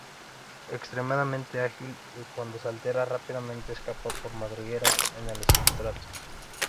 Extremadamente ágil y cuando se altera rápidamente escapa por madrigueras en el sustrato.